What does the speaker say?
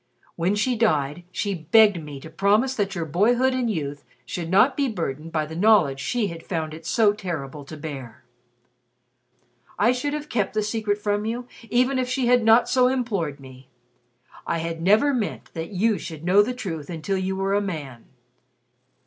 When she died, she begged me to promise that your boyhood and youth should not be burdened by the knowledge she had found it so terrible to bear. I should have kept the secret from you, even if she had not so implored me. I had never meant that you should know the truth until you were a man.